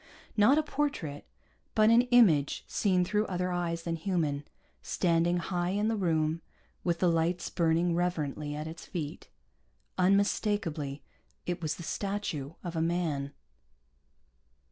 Not a portrait, but an image seen through other eyes than human, standing high in the room with the lights burning reverently at its feet. Unmistakably it was the statue of a man.